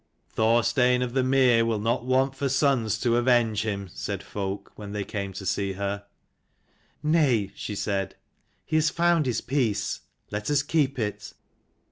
" Thorstein of the Mere will not want for sons to avenge him," said folk, when they came to see her. "Nay," she said. "He has found his peace. Let us keep it."